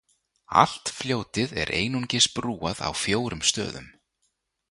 Allt fljótið er einungis brúað á fjórum stöðum.